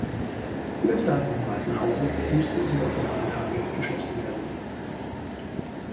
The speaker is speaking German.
Die Website des Weißen Hauses musste sogar für drei Tage geschlossen werden.